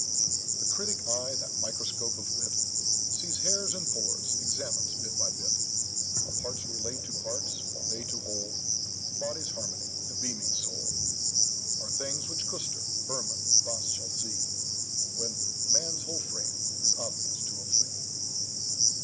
— "'The critic eye—that microscope of wit Sees hairs and pores, examines bit by bit, How parts relate to parts, or they to whole, The body's harmony, the beaming soul, Are things which Kuster, Burmann, Wasse, shall see, When man's whole frame is obvious to a flea.